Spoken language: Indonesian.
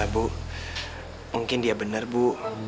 bu mungkin dia benar bu